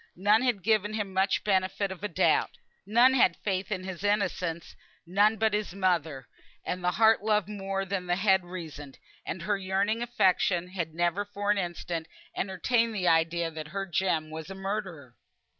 None had given him much benefit of a doubt. None had faith in his innocence. None but his mother; and there the heart loved more than the head reasoned, and her yearning affection had never for an instant entertained the idea that her Jem was a murderer.